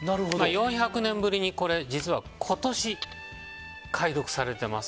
４００年ぶりに実は今年、解読されています。